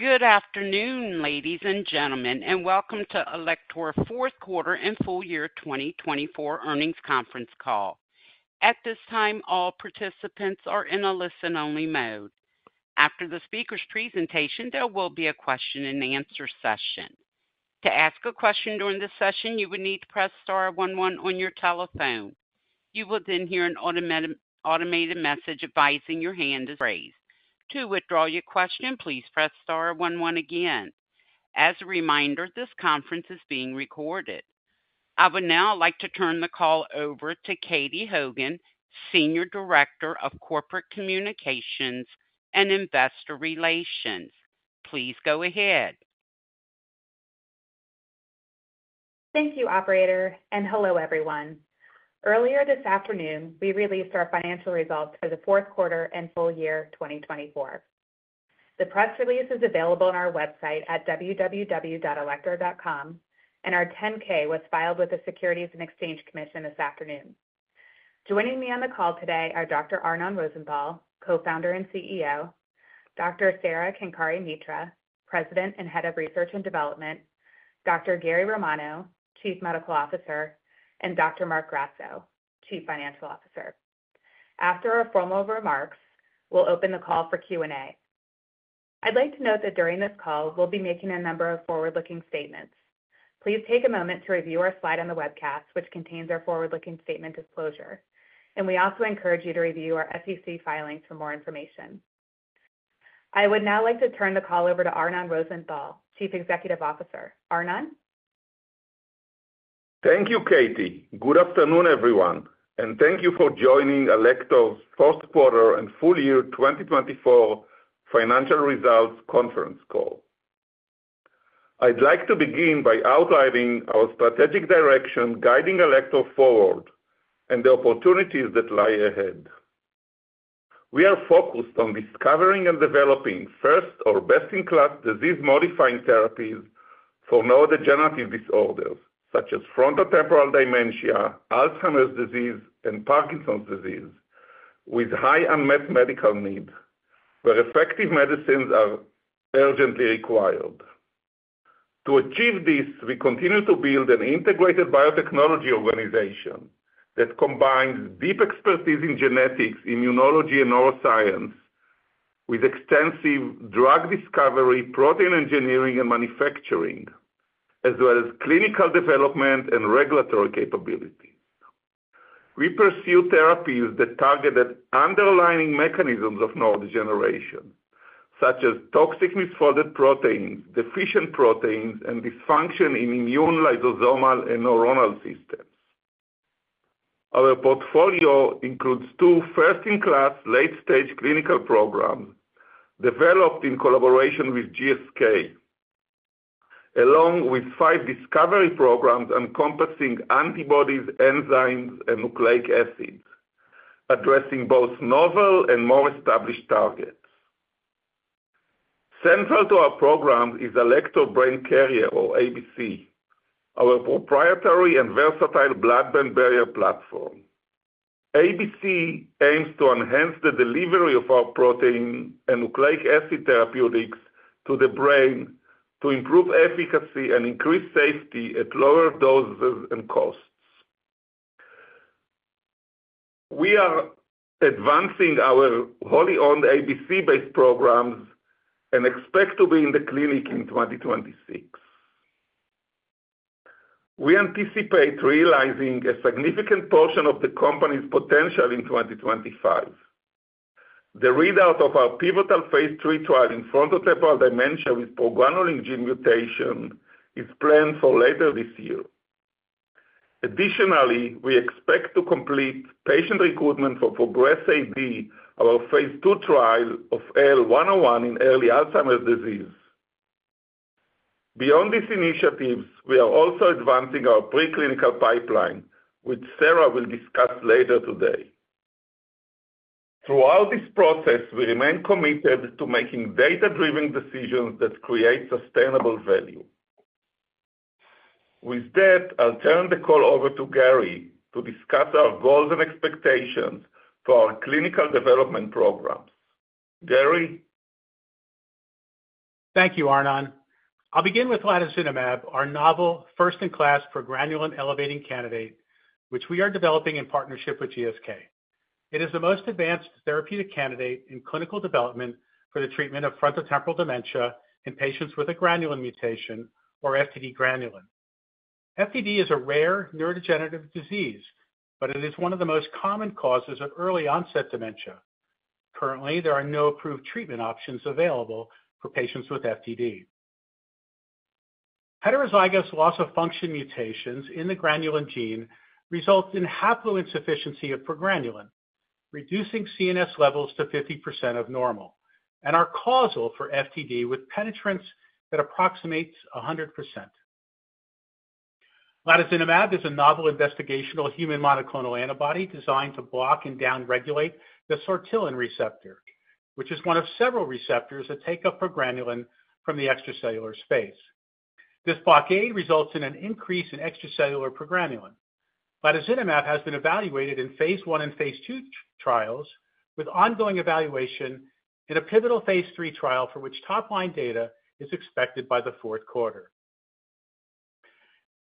Good afternoon, ladies and gentlemen, and welcome to Alector Fourth Quarter and Full Year 2024 Earnings Conference Call. At this time, all participants are in a listen-only mode. After the speaker's presentation, there will be a question-and-answer session. To ask a question during this session, you would need to press star one one on your telephone. You will then hear an automated message advising your hand. To withdraw your question, please press star one one again. As a reminder, this conference is being recorded. I would now like to turn the call over to Katie Hogan, Senior Director of Corporate Communications and Investor Relations. Please go ahead. Thank you, Operator, and hello, everyone. Earlier this afternoon, we released our financial results for the fourth quarter and full year 2024. The press release is available on our website at www.alector.com, and our 10-K was filed with the Securities and Exchange Commission this afternoon. Joining me on the call today are Dr. Arnon Rosenthal, Co-founder and CEO, Dr. Sara Kenkare-Mitra, President and Head of Research and Development, Dr. Gary Romano, Chief Medical Officer, and Dr. Marc Grasso, Chief Financial Officer. After our formal remarks, we'll open the call for Q&A. I'd like to note that during this call, we'll be making a number of forward-looking statements. Please take a moment to review our slide on the webcast, which contains our forward-looking statement disclosure, and we also encourage you to review our SEC filings for more information. I would now like to turn the call over to Arnon Rosenthal, Chief Executive Officer. Arnon? Thank you, Katie. Good afternoon, everyone, and thank you for joining Alector's fourth quarter and full year 2024 financial results conference call. I'd like to begin by outlining our strategic direction guiding Alector forward and the opportunities that lie ahead. We are focused on discovering and developing first or best-in-class disease-modifying therapies for neurodegenerative disorders such as frontotemporal dementia, Alzheimer's disease, and Parkinson's disease with high unmet medical needs, where effective medicines are urgently required. To achieve this, we continue to build an integrated biotechnology organization that combines deep expertise in genetics, immunology, and neuroscience with extensive drug discovery, protein engineering, and manufacturing, as well as clinical development and regulatory capabilities. We pursue therapies that target underlying mechanisms of neurodegeneration, such as toxic misfolded proteins, deficient proteins, and dysfunction in immune, lysosomal, and neuronal systems. Our portfolio includes two first-in-class late-stage clinical programs developed in collaboration with GSK, along with five discovery programs encompassing antibodies, enzymes, and nucleic acids, addressing both novel and more established targets. Central to our programs is Alector Brain Carrier, or ABC, our proprietary and versatile blood-brain barrier platform. ABC aims to enhance the delivery of our protein and nucleic acid therapeutics to the brain to improve efficacy and increase safety at lower doses and costs. We are advancing our wholly owned ABC-based programs and expect to be in the clinic in 2026. We anticipate realizing a significant portion of the company's potential in 2025. The readout of our pivotal phase III trial in frontotemporal dementia with progranulin gene mutation is planned for later this year. Additionally, we expect to complete patient recruitment for Progress AD, our phase II trial of AL101 in early Alzheimer's disease. Beyond these initiatives, we are also advancing our preclinical pipeline, which Sara will discuss later today. Throughout this process, we remain committed to making data-driven decisions that create sustainable value. With that, I'll turn the call over to Gary to discuss our goals and expectations for our clinical development programs. Gary? Thank you, Arnon. I'll begin with Latozinemab, our novel first-in-class progranulin-elevating candidate, which we are developing in partnership with GSK. It is the most advanced therapeutic candidate in clinical development for the treatment of frontotemporal dementia in patients with a granulin mutation, or FTD granulin. FTD is a rare neurodegenerative disease, but it is one of the most common causes of early-onset dementia. Currently, there are no approved treatment options available for patients with FTD. Heterozygous loss of function mutations in the granulin gene result in haploinsufficiency of progranulin, reducing CNS levels to 50% of normal, and are causal for FTD with penetrance that approximates 100%. Latozinemab is a novel investigational human monoclonal antibody designed to block and downregulate the sortilin receptor, which is one of several receptors that take up progranulin from the extracellular space. This blockade results in an increase in extracellular progranulin. Latozinemab has been evaluated in phase I and phase II trials with ongoing evaluation in a pivotal phase II trial for which top-line data is expected by the fourth quarter.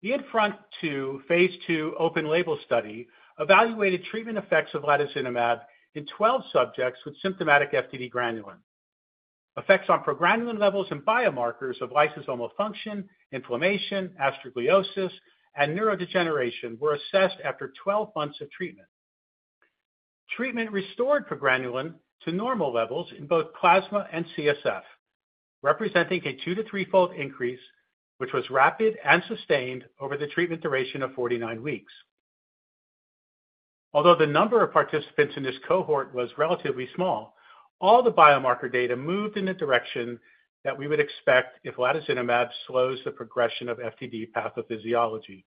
The INFRONT-2 phase II open-label study evaluated treatment effects of Latozinemab in 12 subjects with symptomatic FTD-GRN. Effects on progranulin levels and biomarkers of lysosomal function, inflammation, astrogliosis, and neurodegeneration were assessed after 12 months of treatment. Treatment restored progranulin to normal levels in both plasma and CSF, representing a two- to three-fold increase, which was rapid and sustained over the treatment duration of 49 weeks. Although the number of participants in this cohort was relatively small, all the biomarker data moved in the direction that we would expect if Latozinemab slows the progression of FTD pathophysiology.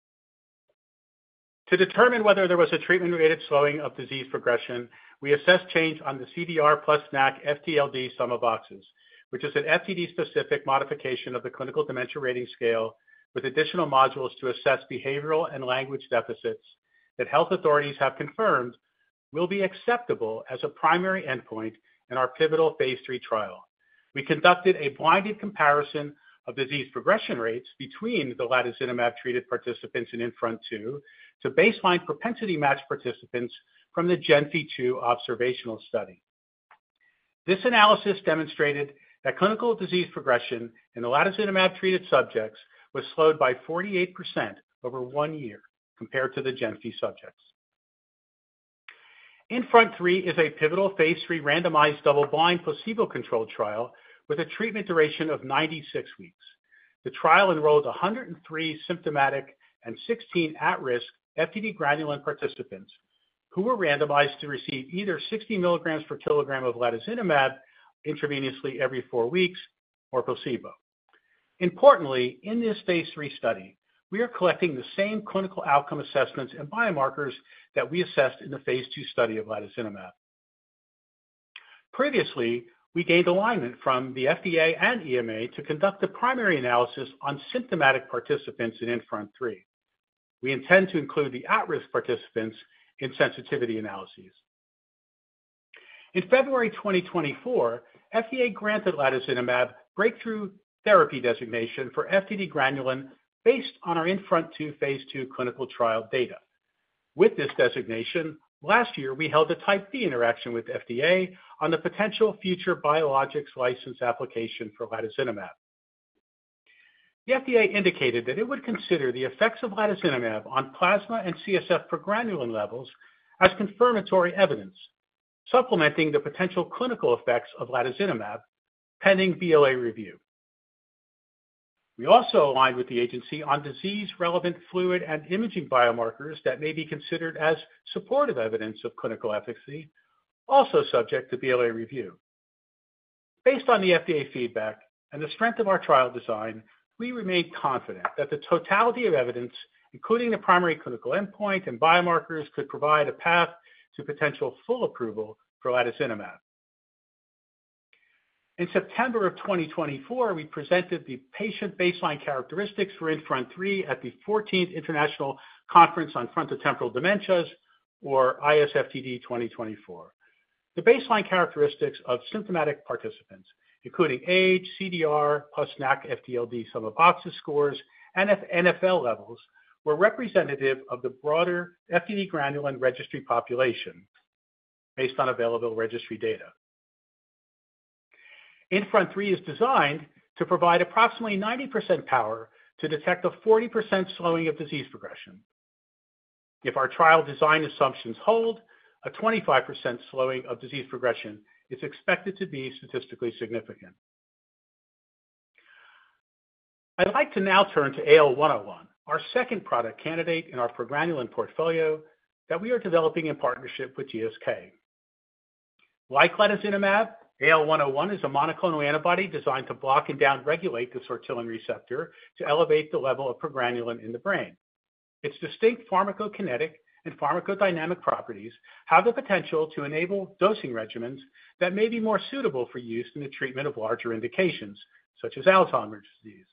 To determine whether there was a treatment-related slowing of disease progression, we assessed change on the CDR plus NACC FTLD-SB, which is an FTD-specific modification of the clinical dementia rating scale with additional modules to assess behavioral and language deficits that health authorities have confirmed will be acceptable as a primary endpoint in our pivotal phase III trial. We conducted a blinded comparison of disease progression rates between the Latozinemab-treated participants in INFRONT-2 to baseline propensity match participants from the GenFI2 observational study. This analysis demonstrated that clinical disease progression in the Latozinemab-treated subjects was slowed by 48% over one year compared to the GenFI2 subjects. INFRONT-3 is a pivotal phase III randomized double-blind placebo-controlled trial with a treatment duration of 96 weeks. The trial enrolled 103 symptomatic and 16 at-risk FTD-GRN participants who were randomized to receive either 60 mg per kg of Latozinemab intravenously every four weeks or placebo. Importantly, in this phase III study, we are collecting the same clinical outcome assessments and biomarkers that we assessed in the phase II study of Latozinemab. Previously, we gained alignment from the FDA and EMA to conduct a primary analysis on symptomatic participants in INFRONT-3. We intend to include the at-risk participants in sensitivity analyses. In February 2024, FDA granted Latozinemab breakthrough therapy designation for FTD-GRN based on our INFRONT-2 phase II clinical trial data. With this designation, last year, we held a type B interaction with FDA on the potential future biologics license application for Latozinemab. The FDA indicated that it would consider the effects of Latozinemab on plasma and CSF progranulin levels as confirmatory evidence, supplementing the potential clinical effects of Latozinemab pending BLA review. We also aligned with the agency on disease-relevant fluid and imaging biomarkers that may be considered as supportive evidence of clinical efficacy, also subject to BLA review. Based on the FDA feedback and the strength of our trial design, we remain confident that the totality of evidence, including the primary clinical endpoint and biomarkers, could provide a path to potential full approval for Latozinemab. In September of 2024, we presented the patient baseline characteristics for INFRONT-3 at the 14th International Conference on Frontotemporal Dementias, or ISFTD 2024. The baseline characteristics of symptomatic participants, including age, CDR plus NACC FTLD-SB scores, and NfL levels, were representative of the broader FTD-GRN registry population based on available registry data. INFRONT-3 is designed to provide approximately 90% power to detect a 40% slowing of disease progression. If our trial design assumptions hold, a 25% slowing of disease progression is expected to be statistically significant. I'd like to now turn to AL101, our second product candidate in our progranulin portfolio that we are developing in partnership with GSK. Like Latozinemab, AL101 is a monoclonal antibody designed to block and downregulate the sortilin receptor to elevate the level of progranulin in the brain. Its distinct pharmacokinetic and pharmacodynamic properties have the potential to enable dosing regimens that may be more suitable for use in the treatment of larger indications, such as Alzheimer's disease.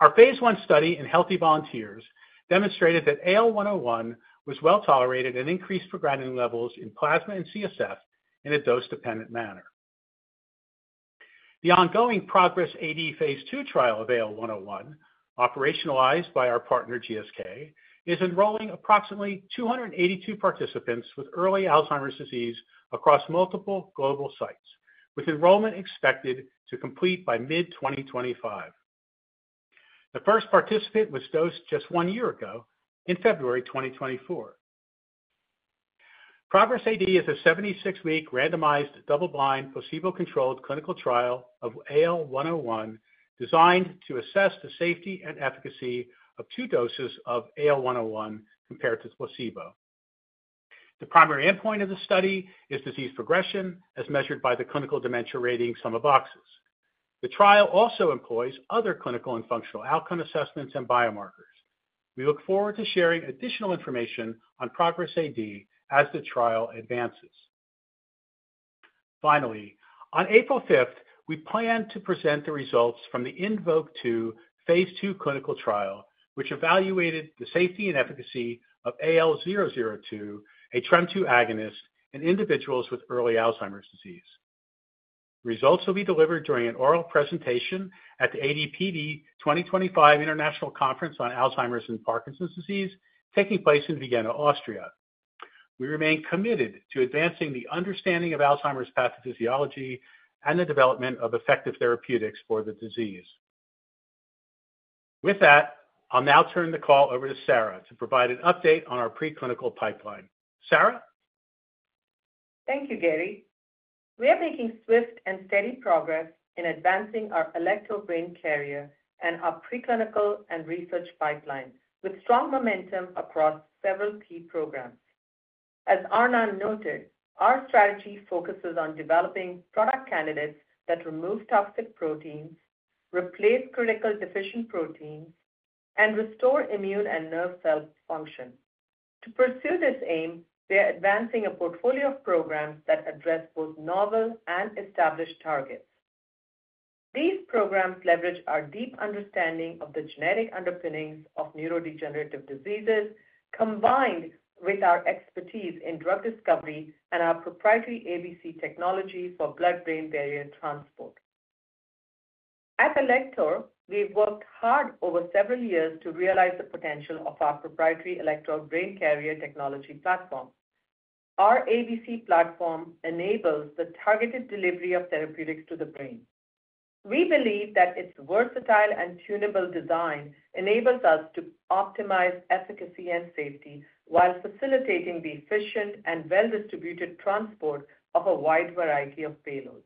Our phase I study in healthy volunteers demonstrated that AL101 was well tolerated and increased progranulin levels in plasma and CSF in a dose-dependent manner. The ongoing Progress AD phase II trial of AL101, operationalized by our partner GSK, is enrolling approximately 282 participants with early Alzheimer's disease across multiple global sites, with enrollment expected to complete by mid-2025. The first participant was dosed just one year ago in February 2024. Progress AD is a 76-week randomized double-blind placebo-controlled clinical trial of AL101 designed to assess the safety and efficacy of two doses of AL101 compared to placebo. The primary endpoint of the study is disease progression as measured by the clinical dementia rating sum of boxes. The trial also employs other clinical and functional outcome assessments and biomarkers. We look forward to sharing additional information on Progress AD as the trial advances. Finally, on April 5th, we plan to present the results from the INVOKE-2 phase II clinical trial, which evaluated the safety and efficacy of AL002, a TREM2 agonist in individuals with early Alzheimer's disease. Results will be delivered during an oral presentation at the AD/PD 2025 International Conference on Alzheimer's and Parkinson's Disease, taking place in Vienna, Austria. We remain committed to advancing the understanding of Alzheimer's pathophysiology and the development of effective therapeutics for the disease. With that, I'll now turn the call over to Sara to provide an update on our preclinical pipeline. Sara? Thank you, Gary. We are making swift and steady progress in advancing our Alector Brain Carrier and our preclinical and research pipeline with strong momentum across several key programs. As Arnon noted, our strategy focuses on developing product candidates that remove toxic proteins, replace critical deficient proteins, and restore immune and nerve cell function. To pursue this aim, we are advancing a portfolio of programs that address both novel and established targets. These programs leverage our deep understanding of the genetic underpinnings of neurodegenerative diseases, combined with our expertise in drug discovery and our proprietary ABC technology for blood-brain barrier transport. At Alector, we've worked hard over several years to realize the potential of our proprietary Alector Brain Carrier technology platform. Our ABC platform enables the targeted delivery of therapeutics to the brain. We believe that its versatile and tunable design enables us to optimize efficacy and safety while facilitating the efficient and well-distributed transport of a wide variety of payloads.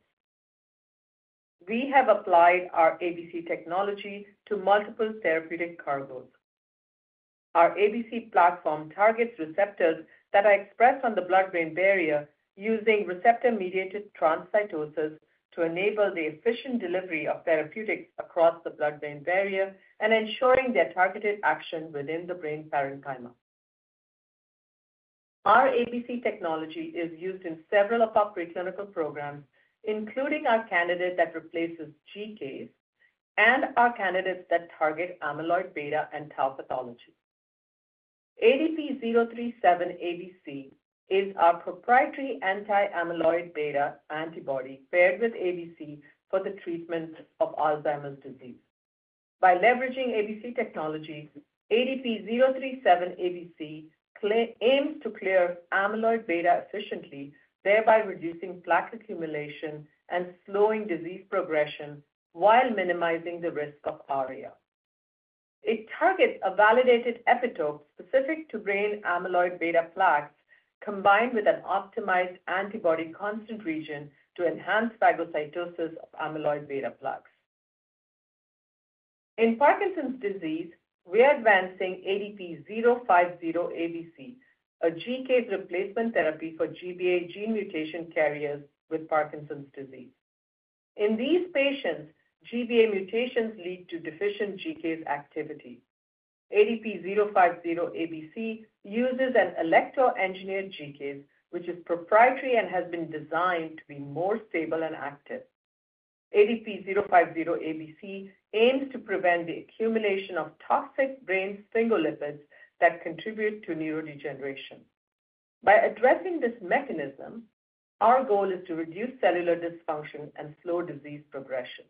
We have applied our ABC technology to multiple therapeutic cargoes. Our ABC platform targets receptors that are expressed on the blood-brain barrier using receptor-mediated transcytosis to enable the efficient delivery of therapeutics across the blood-brain barrier and ensuring their targeted action within the brain parenchyma. Our ABC technology is used in several of our preclinical programs, including our candidate that replaces GCase and our candidates that target amyloid beta and tau pathology. ADP037ABC is our proprietary anti-amyloid beta antibody paired with ABC for the treatment of Alzheimer's disease. By leveraging ABC technology, ADP037ABC aims to clear amyloid beta efficiently, thereby reducing plaque accumulation and slowing disease progression while minimizing the risk of ARIA. It targets a validated epitope specific to brain amyloid beta plaques combined with an optimized antibody constant region to enhance phagocytosis of amyloid beta plaques. In Parkinson's disease, we are advancing ADP050ABC, a GCase replacement therapy for GBA gene mutation carriers with Parkinson's disease. In these patients, GBA mutations lead to deficient GCase activity. ADP050ABC uses an engineered GCase, which is proprietary and has been designed to be more stable and active. ADP050ABC aims to prevent the accumulation of toxic brain sphingolipids that contribute to neurodegeneration. By addressing this mechanism, our goal is to reduce cellular dysfunction and slow disease progression.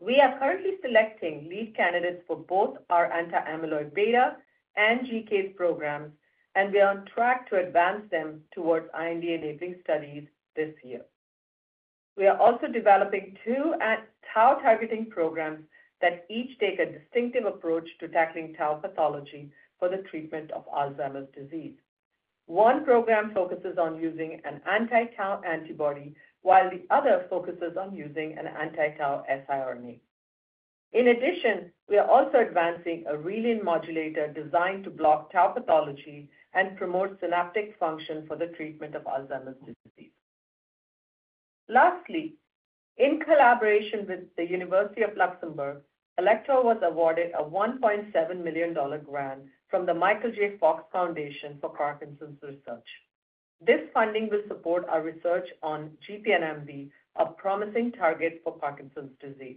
We are currently selecting lead candidates for both our anti-amyloid beta and GCase programs, and we are on track to advance them towards IND enabling studies this year. We are also developing two tau-targeting programs that each take a distinctive approach to tackling tau pathology for the treatment of Alzheimer's disease. One program focuses on using an anti-tau antibody, while the other focuses on using an anti-tau siRNA. In addition, we are also advancing a relin modulator designed to block tau pathology and promote synaptic function for the treatment of Alzheimer's disease. Lastly, in collaboration with the University of Luxembourg, Alector was awarded a $1.7 million grant from the Michael J. Fox Foundation for Parkinson's research. This funding will support our research on GPNMB, a promising target for Parkinson's disease.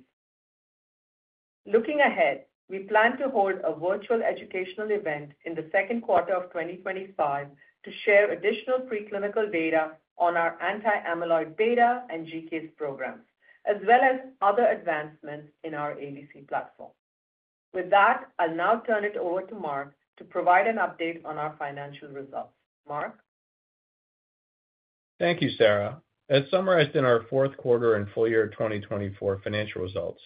Looking ahead, we plan to hold a virtual educational event in the second quarter of 2025 to share additional preclinical data on our anti-amyloid beta and GCase programs, as well as other advancements in our ABC platform. With that, I'll now turn it over to Marc to provide an update on our financial results. Marc. Thank you, Sara. As summarized in our fourth quarter and full year 2024 financial results,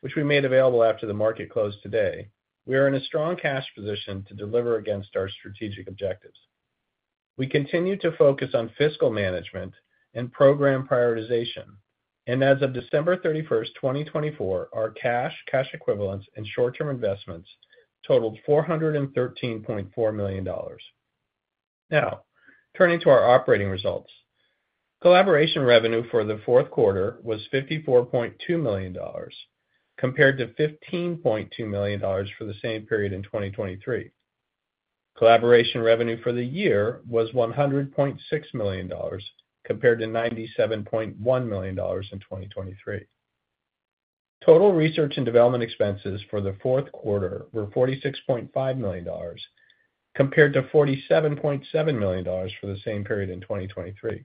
which we made available after the market closed today, we are in a strong cash position to deliver against our strategic objectives. We continue to focus on fiscal management and program prioritization, and as of December 31, 2024, our cash, cash equivalents, and short-term investments totaled $413.4 million. Now, turning to our operating results. Collaboration revenue for the fourth quarter was $54.2 million compared to $15.2 million for the same period in 2023. Collaboration revenue for the year was $100.6 million compared to $97.1 million in 2023. Total research and development expenses for the fourth quarter were $46.5 million compared to $47.7 million for the same period in 2023.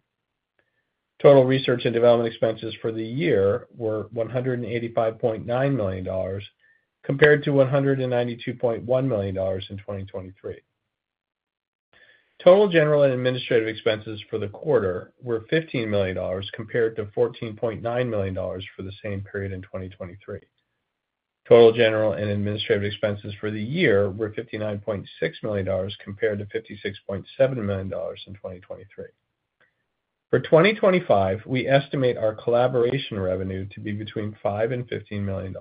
Total research and development expenses for the year were $185.9 million compared to $192.1 million in 2023. Total general and administrative expenses for the quarter were $15 million compared to $14.9 million for the same period in 2023. Total general and administrative expenses for the year were $59.6 million compared to $56.7 million in 2023. For 2025, we estimate our collaboration revenue to be between $5 and $15 million.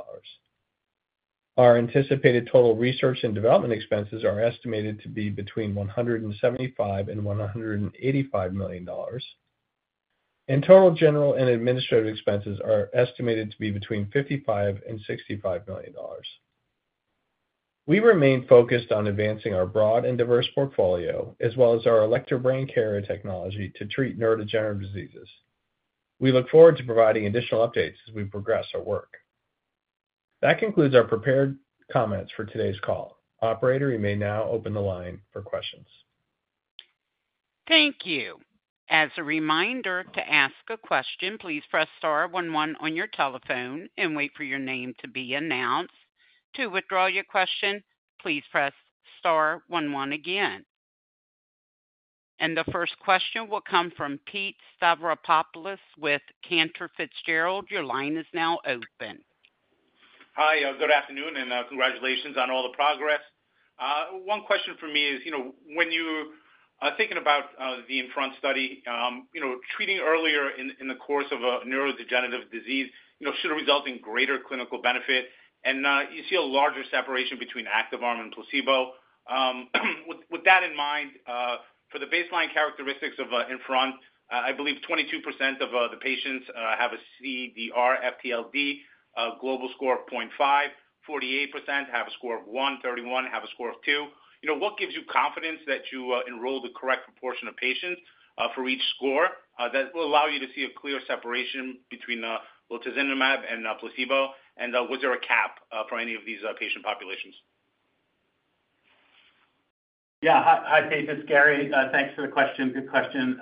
Our anticipated total research and development expenses are estimated to be between $175 and $185 million, and total general and administrative expenses are estimated to be between $55 and $65 million. We remain focused on advancing our broad and diverse portfolio, as well as our Alector Brain Carrier technology to treat neurodegenerative diseases. We look forward to providing additional updates as we progress our work. That concludes our prepared comments for today's call. Operator, you may now open the line for questions. Thank you. As a reminder to ask a question, please press star one one on your telephone and wait for your name to be announced. To withdraw your question, please press star one one again. The first question will come from Pete Stavropoulos with Cantor Fitzgerald. Your line is now open. Hi, good afternoon, and congratulations on all the progress. One question for me is, when you are thinking about the INFRONT study, treating earlier in the course of a neurodegenerative disease should result in greater clinical benefit, and you see a larger separation between active arm and placebo. With that in mind, for the baseline characteristics of INFRONT, I believe 22% of the patients have a CDR FTLD global score of 0.5, 48% have a score of 1, 31% have a score of 2. What gives you confidence that you enrolled the correct proportion of patients for each score that will allow you to see a clear separation between latozinemab and placebo, and was there a cap for any of these patient populations? Yeah, hi Pete, it's Gary. Thanks for the question. Good question.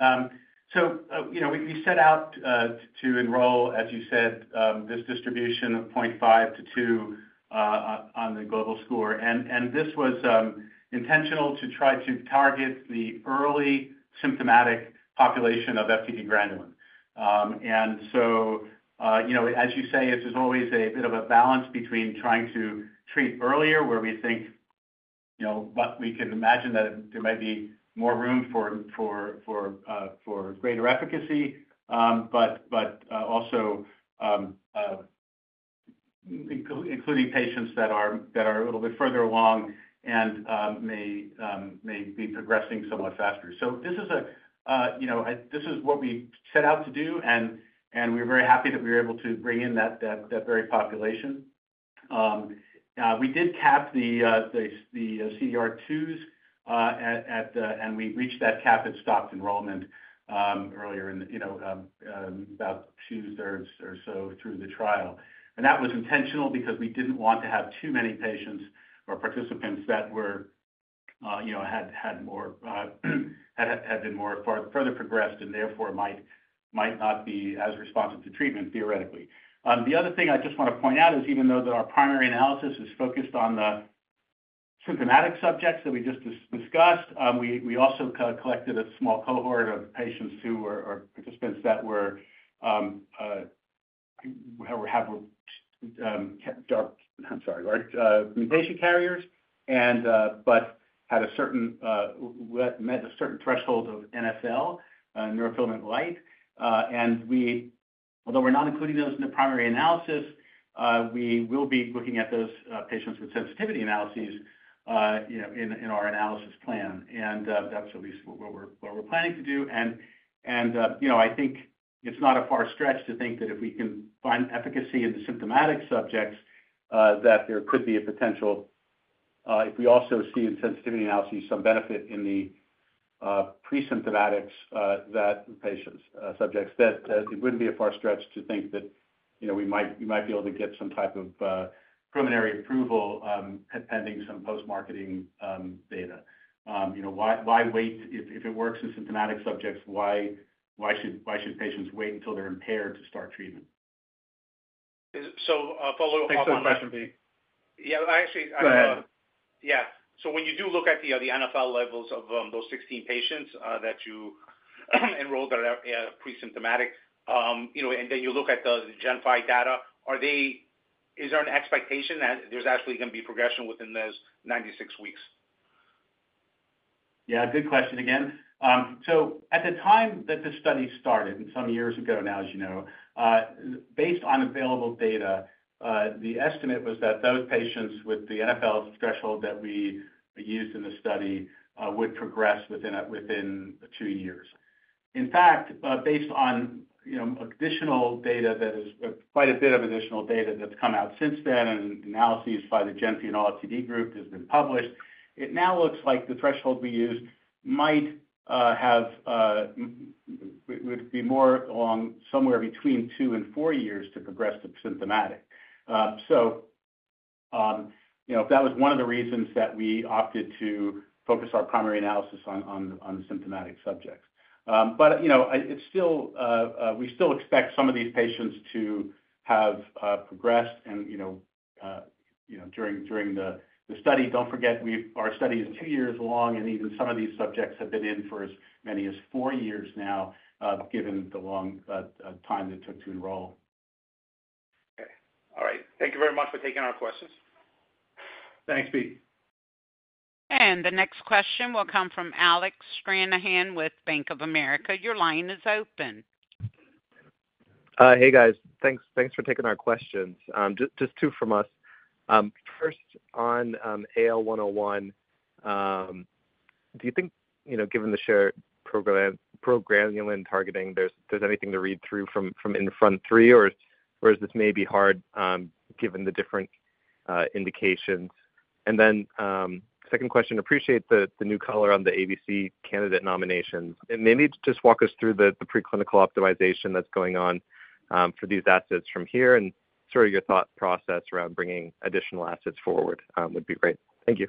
We set out to enroll, as you said, this distribution of 0.5-2 on the global score, and this was intentional to try to target the early symptomatic population of FTD granulin. As you say, there's always a bit of a balance between trying to treat earlier, where we think we can imagine that there might be more room for greater efficacy, but also including patients that are a little bit further along and may be progressing somewhat faster. This is what we set out to do, and we're very happy that we were able to bring in that very population. We did cap the CDR IIs, and we reached that cap and stopped enrollment earlier in about two-thirds or so through the trial. That was intentional because we did not want to have too many patients or participants that had been further progressed and therefore might not be as responsive to treatment theoretically. The other thing I just want to point out is, even though our primary analysis is focused on the symptomatic subjects that we just discussed, we also collected a small cohort of patients or participants that are GRN mutation carriers, but had a certain threshold of NfL, neurofilament light. Although we are not including those in the primary analysis, we will be looking at those patients with sensitivity analyses in our analysis plan. That is at least what we are planning to do. I think it's not a far stretch to think that if we can find efficacy in the symptomatic subjects, that there could be a potential, if we also see in sensitivity analyses some benefit in the pre-symptomatics, that patients, subjects, that it wouldn't be a far stretch to think that we might be able to get some type of preliminary approval pending some post-marketing data. Why wait? If it works in symptomatic subjects, why should patients wait until they're impaired to start treatment? Follow up on that. Next question, Pete. Yeah, actually, yeah. So when you do look at the NfL levels of those 16 patients that you enrolled that are pre-symptomatic, and then you look at the Gen5 data, is there an expectation that there's actually going to be progression within those 96 weeks? Yeah, good question again. At the time that the study started some years ago now, as you know, based on available data, the estimate was that those patients with the NfL threshold that we used in the study would progress within two years. In fact, based on additional data that is quite a bit of additional data that's come out since then and analyses by the GENFI and ALLFTD group has been published, it now looks like the threshold we used might have would be more along somewhere between two and four years to progress to symptomatic. That was one of the reasons that we opted to focus our primary analysis on symptomatic subjects. We still expect some of these patients to have progressed during the study. Don't forget, our study is two years long, and even some of these subjects have been in for as many as four years now, given the long time it took to enroll. Okay. All right. Thank you very much for taking our questions. Thanks, Pete. The next question will come from Alec Stranahan with Bank of America. Your line is open. Hey, guys. Thanks for taking our questions. Just two from us. First, on AL101, do you think, given the shared progranulin targeting, there's anything to read through from INFRONT-3, or is this maybe hard given the different indications? Second question, appreciate the new color on the ABC candidate nominations. Maybe just walk us through the preclinical optimization that's going on for these assets from here and sort of your thought process around bringing additional assets forward would be great. Thank you.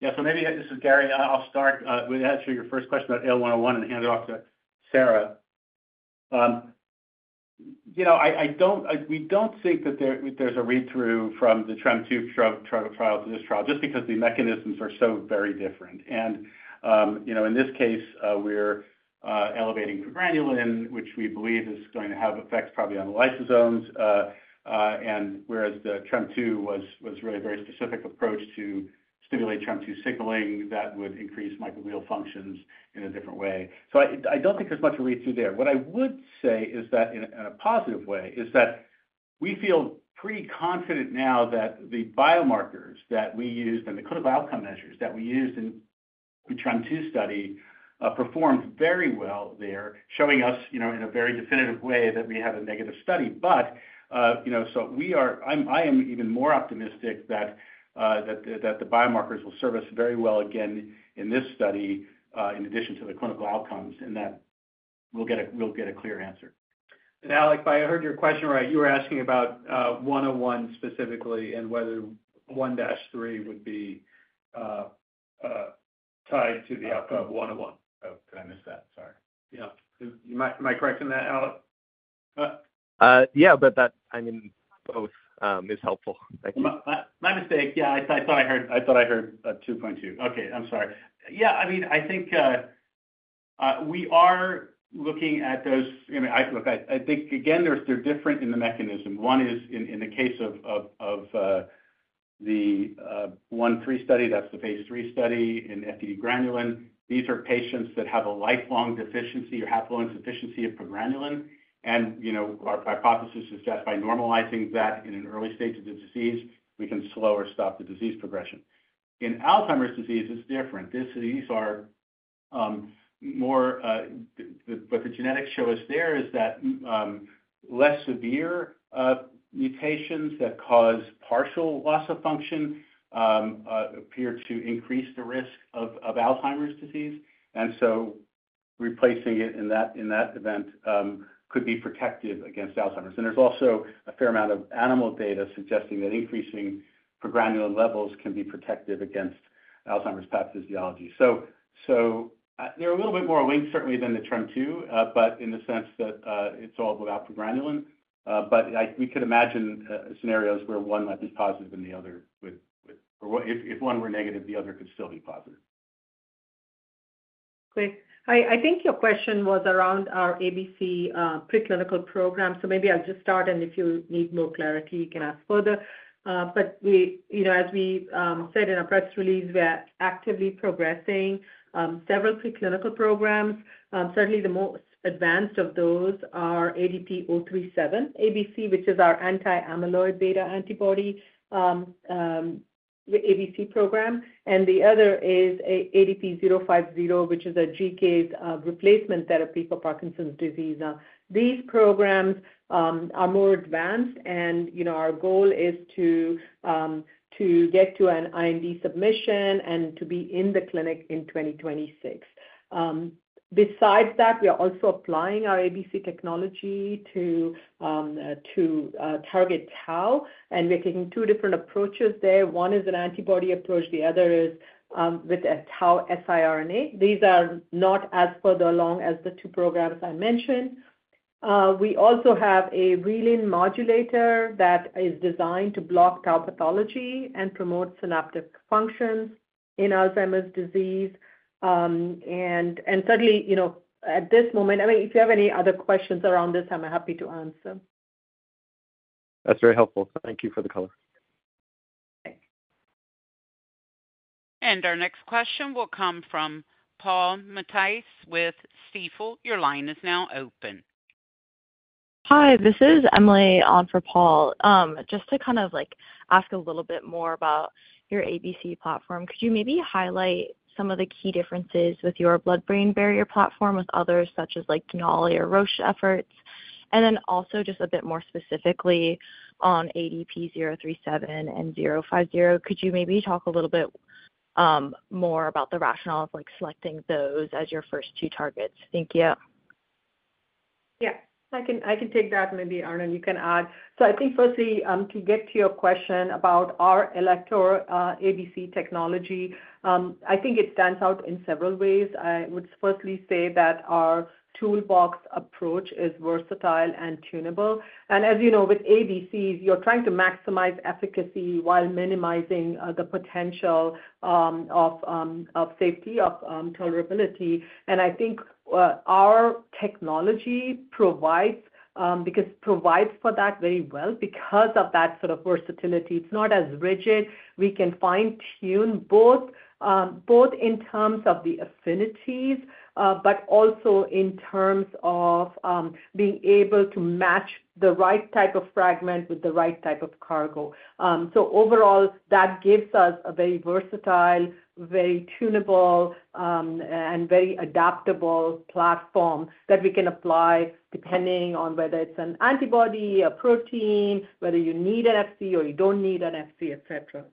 Yeah, so maybe this is Gary. I'll start with answering your first question about AL101 and hand it off to Sara. We don't think that there's a read-through from the TREM2 trial to this trial just because the mechanisms are so very different. In this case, we're elevating progranulin, which we believe is going to have effects probably on the lysosomes, whereas the TREM2 was really a very specific approach to stimulate TREM2 signaling that would increase microglial functions in a different way. I don't think there's much read-through there. What I would say is that in a positive way is that we feel pretty confident now that the biomarkers that we used and the clinical outcome measures that we used in the TREM2 study performed very well there, showing us in a very definitive way that we had a negative study. I am even more optimistic that the biomarkers will serve us very well again in this study in addition to the clinical outcomes, and that we'll get a clear answer. Alec, if I heard your question right, you were asking about 101 specifically and whether 1-3 would be. Tied to the outcome of 101. Oh, did I miss that? Sorry. Yeah. Am I correct in that, Alec? Yeah, I mean, both is helpful. Thank you. My mistake. Yeah, I thought I heard 2.2. Okay, I'm sorry. Yeah, I mean, I think we are looking at those. Look, I think, again, they're different in the mechanism. One is in the case of the 1-3 study, that's the phase III study in FTD-GRN. These are patients that have a lifelong deficiency or haploinsufficiency of progranulin. And our hypothesis is that by normalizing that in an early stage of the disease, we can slow or stop the disease progression. In Alzheimer's disease, it's different. These are more what the genetics show us there is that less severe mutations that cause partial loss of function appear to increase the risk of Alzheimer's disease. Replacing it in that event could be protective against Alzheimer's. There's also a fair amount of animal data suggesting that increasing progranulin levels can be protective against Alzheimer's pathophysiology. There are a little bit more links, certainly, than the TREM2, but in the sense that it's all about progranulin. We could imagine scenarios where one might be positive and the other would, or if one were negative, the other could still be positive. Great. I think your question was around our ABC preclinical program. Maybe I'll just start, and if you need more clarity, you can ask further. As we said in our press release, we're actively progressing several preclinical programs. Certainly, the most advanced of those are ADP037ABC, which is our anti-amyloid beta antibody ABC program. The other is ADP050ABC, which is a GCase replacement therapy for Parkinson's disease. These programs are more advanced, and our goal is to get to an IND submission and to be in the clinic in 2026. Besides that, we are also applying our ABC technology to target tau, and we're taking two different approaches there. One is an antibody approach. The other is with a tau siRNA. These are not as further along as the two programs I mentioned. We also have a relin modulator that is designed to block tau pathology and promote synaptic functions in Alzheimer's disease. Certainly, at this moment, I mean, if you have any other questions around this, I'm happy to answer. That's very helpful. Thank you for the color. Okay. Our next question will come from Paul Matteis with Stifel. Your line is now open. Hi, this is Emily on for Paul. Just to kind of ask a little bit more about your ABC platform, could you maybe highlight some of the key differences with your blood-brain barrier platform with others, such as Denali or Roche efforts? Also, just a bit more specifically on ADP037 and 050, could you maybe talk a little bit more about the rationale of selecting those as your first two targets? Thank you. Yeah, I can take that. Maybe Arnon, you can add. I think, firstly, to get to your question about our Alector ABC technology, I think it stands out in several ways. I would firstly say that our toolbox approach is versatile and tunable. And as you know, with ABCs, you're trying to maximize efficacy while minimizing the potential of safety, of tolerability. I think our technology provides for that very well because of that sort of versatility. It's not as rigid. We can fine-tune both in terms of the affinities, but also in terms of being able to match the right type of fragment with the right type of cargo. Overall, that gives us a very versatile, very tunable, and very adaptable platform that we can apply depending on whether it's an antibody, a protein, whether you need an FC or you don't need an FC, etc.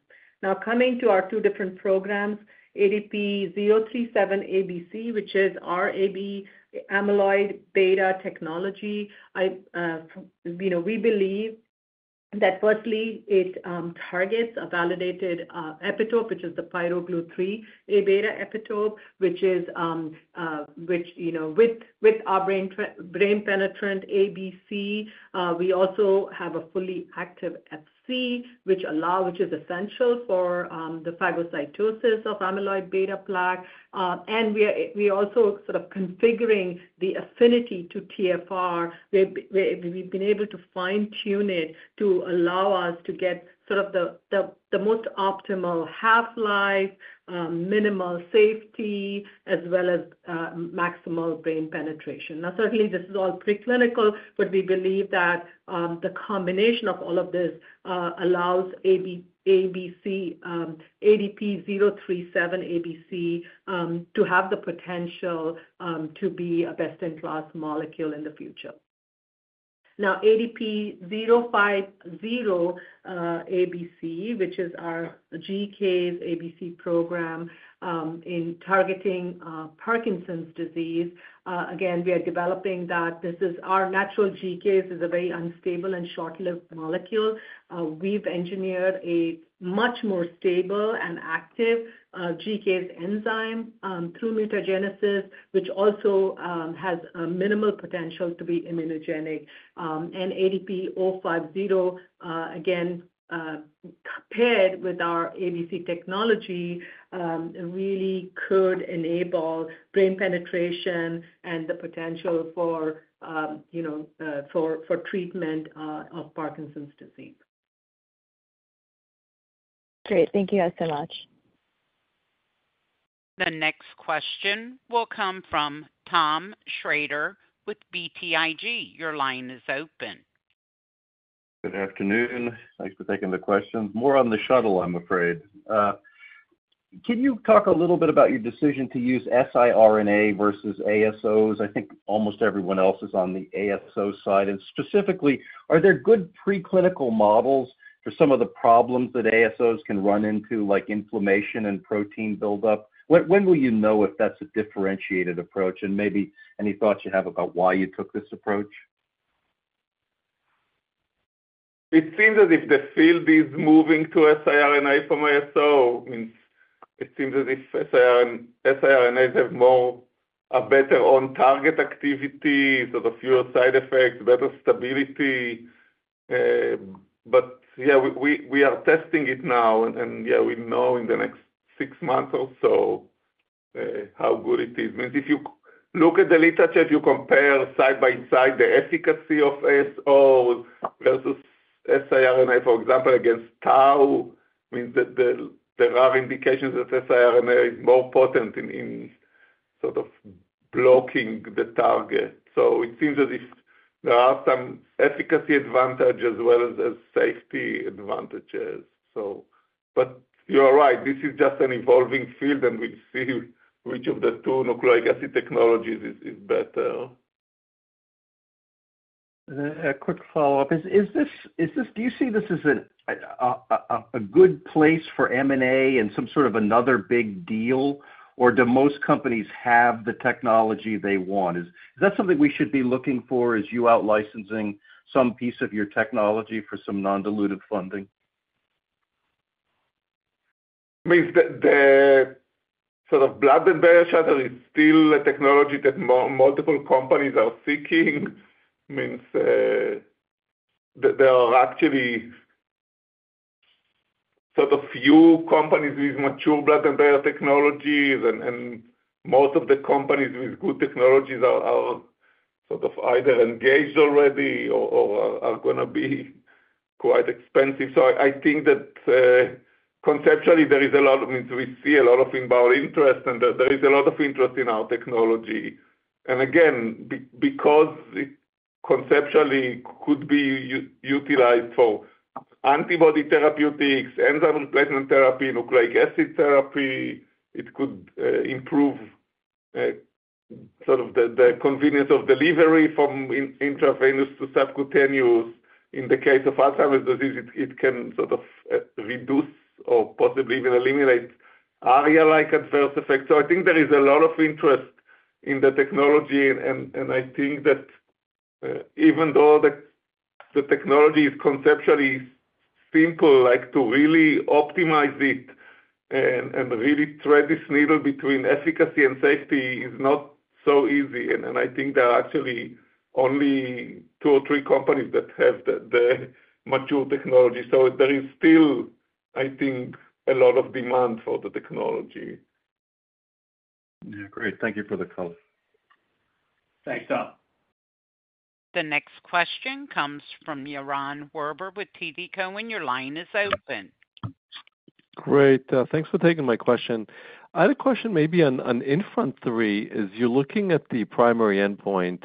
Now, coming to our two different programs, ADP037ABC, which is our AB amyloid beta technology, we believe that firstly, it targets a validated epitope, which is the pyroglutamate 3A beta epitope, which is with our brain-penetrant ABC. We also have a fully active FC, which is essential for the phagocytosis of amyloid beta plaque. We are also sort of configuring the affinity to TFR. We've been able to fine-tune it to allow us to get sort of the most optimal half-life, minimal safety, as well as maximal brain penetration. Now, certainly, this is all preclinical, but we believe that the combination of all of this allows ADP037ABC to have the potential to be a best-in-class molecule in the future. Now, ADP050ABC, which is our GCase ABC program in targeting Parkinson's disease, again, we are developing that. This is our natural GCase is a very unstable and short-lived molecule. We've engineered a much more stable and active GCase enzyme through mutagenesis, which also has minimal potential to be immunogenic. ADP050, again, paired with our ABC technology, really could enable brain penetration and the potential for treatment of Parkinson's disease. Great. Thank you so much. The next question will come from Tom Schrader with BTIG. Your line is open. Good afternoon. Thanks for taking the questions. More on the shuttle, I'm afraid. Can you talk a little bit about your decision to use siRNA versus ASOs? I think almost everyone else is on the ASO side. Specifically, are there good preclinical models for some of the problems that ASOs can run into, like inflammation and protein buildup? When will you know if that's a differentiated approach? Maybe any thoughts you have about why you took this approach? It seems as if the field is moving to siRNA from ASO. It seems as if siRNAs have a better on-target activity, sort of fewer side effects, better stability. Yeah, we are testing it now, and yeah, we know in the next six months or so how good it is. If you look at the literature, if you compare side by side the efficacy of ASOs versus siRNA, for example, against tau, there are indications that siRNA is more potent in sort of blocking the target. It seems as if there are some efficacy advantages as well as safety advantages. You're right. This is just an evolving field, and we'll see which of the two nucleic acid technologies is better. A quick follow-up. Do you see this as a good place for M&A and some sort of another big deal, or do most companies have the technology they want? Is that something we should be looking for as you out-licensing some piece of your technology for some non-dilutive funding? I mean, the sort of blood-brain barrier is still a technology that multiple companies are seeking. I mean, there are actually sort of few companies with mature blood-brain barrier technologies, and most of the companies with good technologies are sort of either engaged already or are going to be quite expensive. I think that conceptually, there is a lot of—we see a lot of inbound interest, and there is a lot of interest in our technology. Again, because it conceptually could be utilized for antibody therapeutics, enzyme replacement therapy, nucleic acid therapy, it could improve sort of the convenience of delivery from intravenous to subcutaneous. In the case of Alzheimer's disease, it can sort of reduce or possibly even eliminate area-like adverse effects. I think there is a lot of interest in the technology, and I think that even though the technology is conceptually simple, to really optimize it and really thread this needle between efficacy and safety is not so easy. I think there are actually only two or three companies that have the mature technology. There is still, I think, a lot of demand for the technology. Yeah, great. Thank you for the color. Thanks, Tom. The next question comes from Yaron Werber with TD Cowen. Your line is open. Great. Thanks for taking my question. I had a question maybe on INFRONT-3. As you're looking at the primary endpoint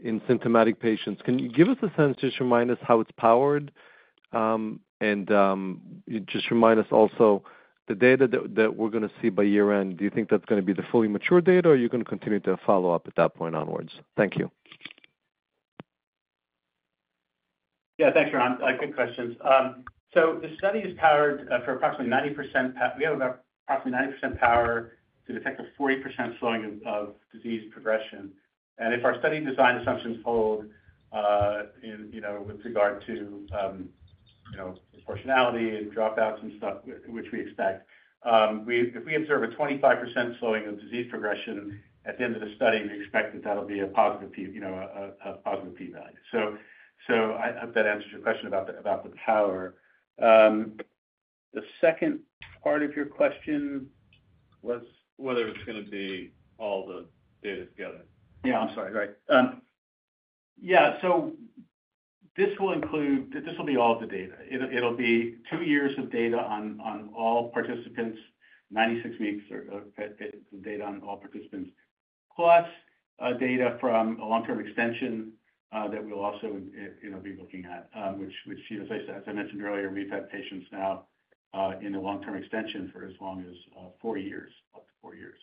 in symptomatic patients, can you give us a sense to just remind us how it's powered? Just remind us also the data that we're going to see by year-end, do you think that's going to be the fully mature data, or are you going to continue to follow up at that point onwards? Thank you. Yeah, thanks, Yaron. Good questions. The study is powered for approximately 90%. We have about approximately 90% power to detect a 40% slowing of disease progression. If our study design assumptions hold with regard to proportionality and dropouts and stuff, which we expect, if we observe a 25% slowing of disease progression at the end of the study, we expect that that'll be a positive p-value. I hope that answers your question about the power. The second part of your question was. Whether it's going to be all the data together. Yeah, I'm sorry. Right. Yeah. This will include—all the data. It'll be two years of data on all participants, 96 weeks of data on all participants, plus data from a long-term extension that we'll also be looking at, which, as I mentioned earlier, we've had patients now in a long-term extension for as long as four years, up to four years.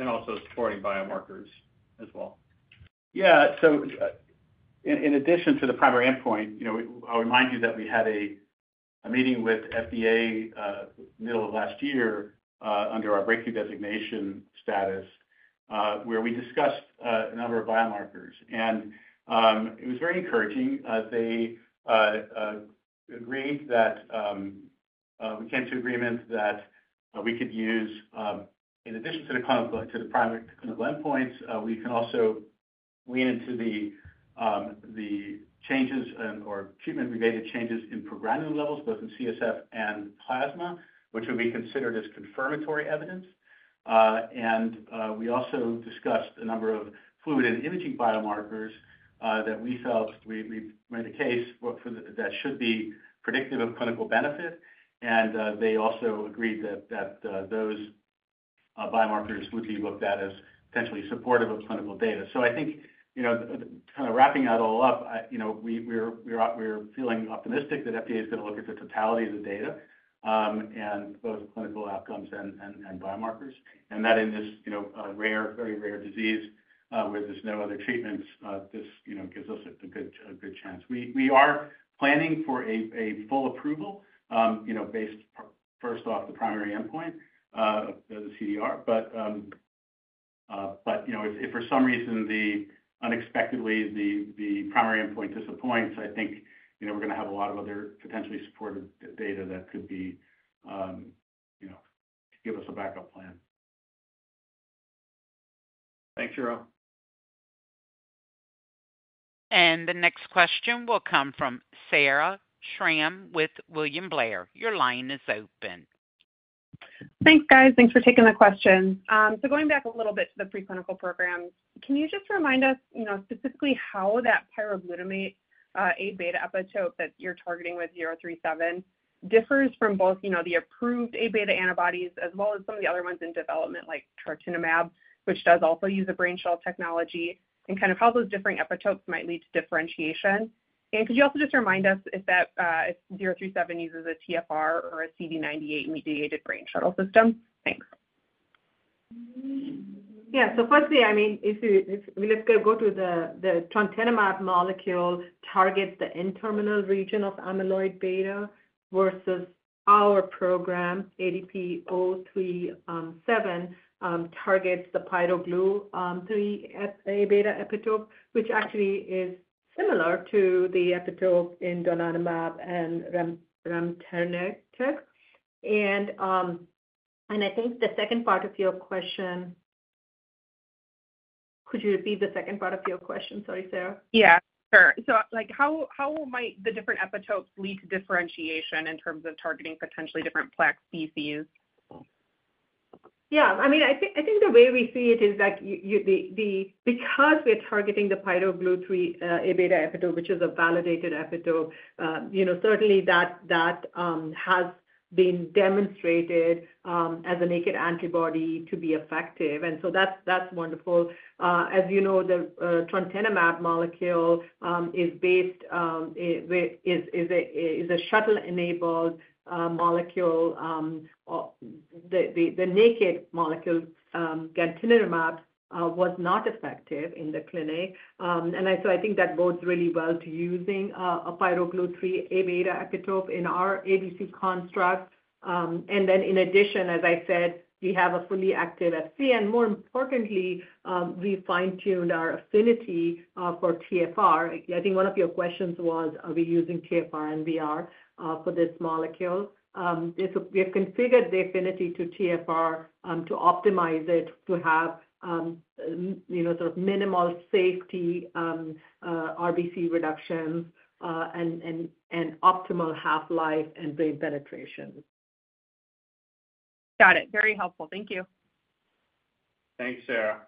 Also supporting biomarkers as well. Yeah. In addition to the primary endpoint, I'll remind you that we had a meeting with FDA in the middle of last year under our breakthrough therapy designation status where we discussed a number of biomarkers. It was very encouraging. They agreed that we came to an agreement that we could use, in addition to the primary clinical endpoints, we can also lean into the changes or treatment-related changes in progranulin levels, both in CSF and plasma, which would be considered as confirmatory evidence. We also discussed a number of fluid and imaging biomarkers that we felt we made a case that should be predictive of clinical benefit. They also agreed that those biomarkers would be looked at as potentially supportive of clinical data. I think kind of wrapping that all up, we're feeling optimistic that FDA is going to look at the totality of the data and both clinical outcomes and biomarkers. In this rare, very rare disease where there's no other treatments, this gives us a good chance. We are planning for a full approval based, first off, the primary endpoint, the CDR. If for some reason unexpectedly the primary endpoint disappoints, I think we're going to have a lot of other potentially supportive data that could give us a backup plan. Thanks, Yaron. The next question will come from Sarah Schram with William Blair. Your line is open. Thanks, guys. Thanks for taking the questions. Going back a little bit to the preclinical programs, can you just remind us specifically how that pyroglutamate Aβ epitope that you're targeting with 037 differs from both the approved Aβ antibodies as well as some of the other ones in development like trantinumab, which does also use a brain shuttle technology, and kind of how those different epitopes might lead to differentiation? Could you also just remind us if 037 uses a TFR or a CD98 mediated brain shuttle system? Thanks. Yeah. Firstly, I mean, if we let's go to the trantinumab molecule targets the internal region of amyloid beta versus our program, ADP037 targets the pyroglutamate 3A beta epitope, which actually is similar to the epitope in donanemab and remternectec. I think the second part of your question—could you repeat the second part of your question? Sorry, Sarah. Yeah. Sure. How might the different epitopes lead to differentiation in terms of targeting potentially different plaque species? Yeah. I mean, I think the way we see it is that because we're targeting the pyroglutamate Aβ epitope, which is a validated epitope, certainly that has been demonstrated as a naked antibody to be effective. That is wonderful. As you know, the trantinumab molecule is a shuttle-enabled molecule. The naked molecule, canakinumab, was not effective in the clinic. I think that bodes really well to using a pyroglutamate Aβ epitope in our ABC construct. In addition, as I said, we have a fully active FC. More importantly, we fine-tuned our affinity for TFR. I think one of your questions was, are we using TFR and VR for this molecule? We have configured the affinity to TFR to optimize it to have sort of minimal safety, RBC reductions, and optimal half-life and brain penetration. Got it. Very helpful. Thank you. Thanks, Sarah.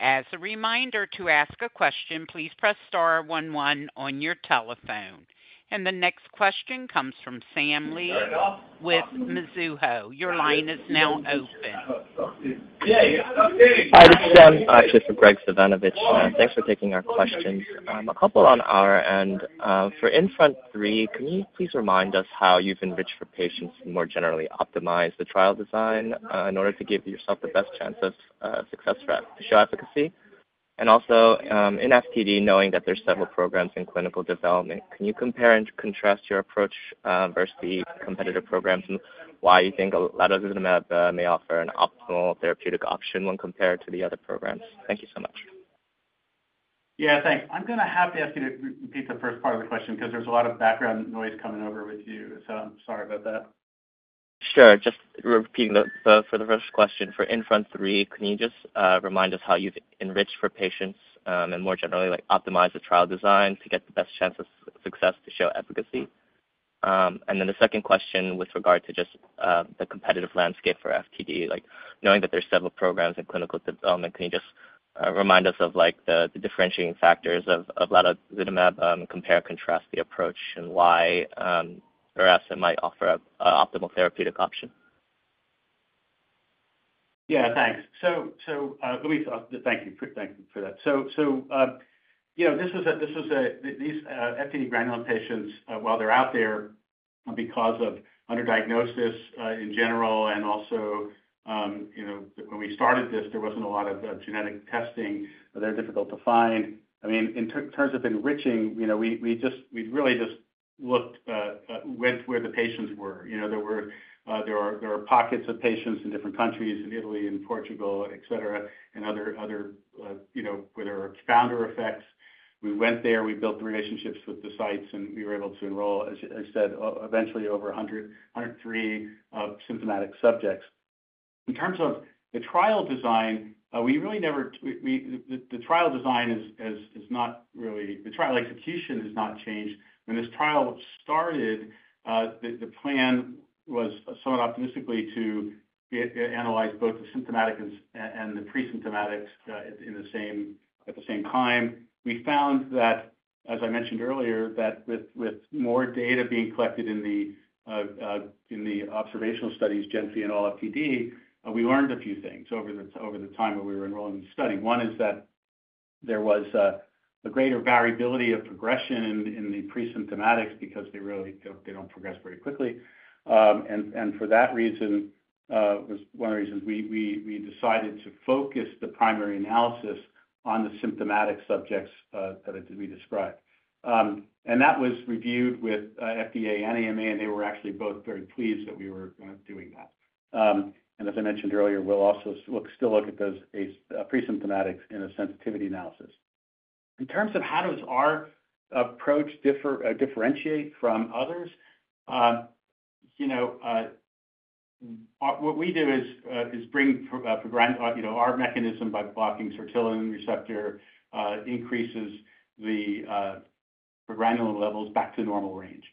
As a reminder to ask a question, please press star one one on your telephone. The next question comes from Sam Lee with Mizuho. Your line is now open. Hi, this is John. I'm actually for Graig Suvannavejh. Thanks for taking our questions. A couple on our end. For INFRONT-3, can you please remind us how you've enriched for patients to more generally optimize the trial design in order to give yourself the best chance of success for efficacy? Also in FTD, knowing that there are several programs in clinical development, can you compare and contrast your approach versus the competitor programs and why you think latozinemab may offer an optimal therapeutic option when compared to the other programs? Thank you so much. Yeah, thanks. I'm going to have to ask you to repeat the first part of the question because there's a lot of background noise coming over with you. I'm sorry about that. Sure. Just repeating for the first question, for INFRONT-3, can you just remind us how you've enriched for patients and more generally optimized the trial design to get the best chance of success to show efficacy? The second question with regard to just the competitive landscape for FTD, knowing that there are several programs in clinical development, can you just remind us of the differentiating factors of latozinemab, compare and contrast the approach, and why Alector might offer an optimal therapeutic option? Yeah, thanks. Thank you for that. This was a—these FDA granulin patients, while they're out there because of underdiagnosis in general, and also when we started this, there wasn't a lot of genetic testing. They're difficult to find. I mean, in terms of enriching, we really just looked, went where the patients were. There were pockets of patients in different countries, in Italy, in Portugal, etc., and other where there are founder effects. We went there, we built the relationships with the sites, and we were able to enroll, as I said, eventually over 103 symptomatic subjects. In terms of the trial design, we really never—the trial design is not really—the trial execution has not changed. When this trial started, the plan was somewhat optimistically to analyze both the symptomatic and the pre-symptomatics at the same time. We found that, as I mentioned earlier, that with more data being collected in the observational studies, Gen3 and all FTD, we learned a few things over the time that we were enrolling in the study. One is that there was a greater variability of progression in the pre-symptomatics because they don't progress very quickly. For that reason, it was one of the reasons we decided to focus the primary analysis on the symptomatic subjects that we described. That was reviewed with FDA and AMA, and they were actually both very pleased that we were doing that. As I mentioned earlier, we'll also still look at those pre-symptomatics in a sensitivity analysis. In terms of how does our approach differentiate from others, what we do is bring our mechanism by blocking sortilin receptor increases the progranulin levels back to normal range.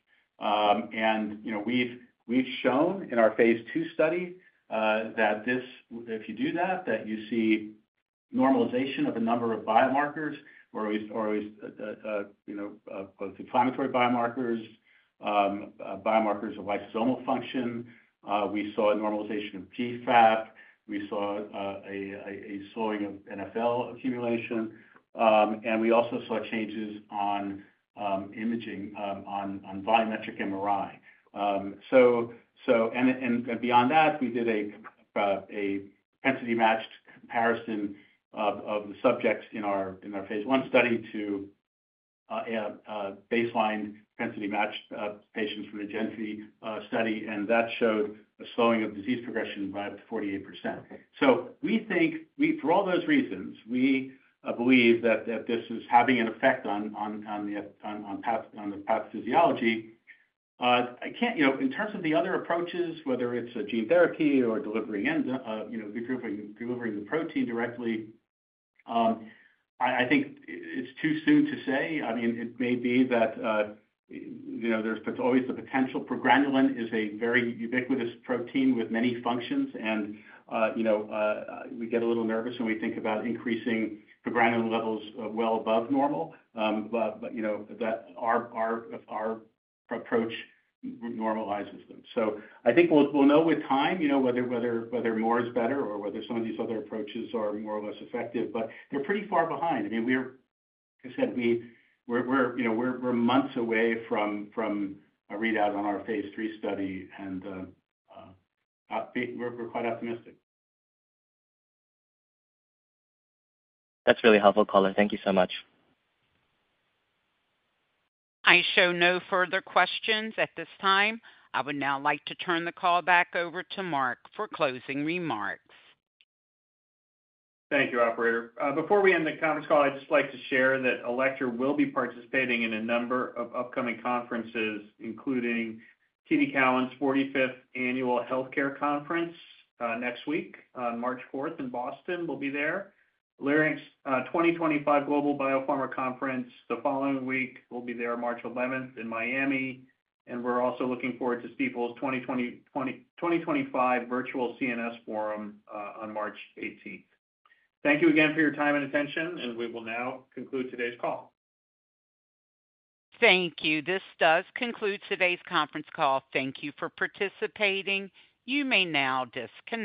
We have shown in our phase II study that if you do that, you see normalization of a number of biomarkers, or at least both inflammatory biomarkers, biomarkers of lysosomal function. We saw a normalization of GFAP. We saw a slowing of NfL accumulation. We also saw changes on imaging on volumetric MRI. Beyond that, we did a density-matched comparison of the subjects in our phase I study to baseline density-matched patients from the Gen3 study, and that showed a slowing of disease progression by up to 48%. For all those reasons, we believe that this is having an effect on the pathophysiology. In terms of the other approaches, whether it is a gene therapy or delivering the protein directly, I think it is too soon to say. I mean, it may be that there is always the potential. Progranulin is a very ubiquitous protein with many functions, and we get a little nervous when we think about increasing progranulin levels well above normal, but our approach normalizes them. I think we'll know with time whether more is better or whether some of these other approaches are more or less effective, but they're pretty far behind. I mean, like I said, we're months away from a readout on our phase III study, and we're quite optimistic. That's really helpful, color. Thank you so much. I show no further questions at this time. I would now like to turn the call back over to Marc for closing remarks. Thank you, operator. Before we end the conference call, I'd just like to share that Alector will be participating in a number of upcoming conferences, including TD Cowen's 45th Annual Healthcare Conference next week on March 4th in Boston. We'll be there. Lyrinx 2025 Global BioPharma Conference the following week. We'll be there March 11th in Miami. We are also looking forward to Stifel's 2025 Virtual CNS Forum on March 18th. Thank you again for your time and attention, and we will now conclude today's call. Thank you. This does conclude today's conference call. Thank you for participating. You may now disconnect.